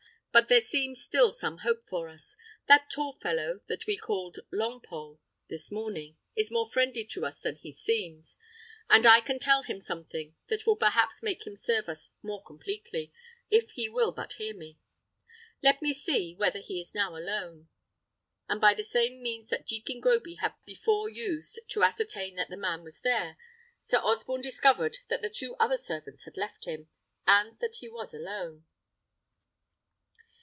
But there seems still some hope for us. That tall fellow, that we called Longpole this morning, is more friendly to us than he seems; and I can tell him something that will perhaps make him serve us more completely, if he will but hear me. Let me see whether he is now alone." And by the same means that Jekin Groby had before used to ascertain that the man was there, Sir Osborne discovered that the two other servants had left him, and that he was alone.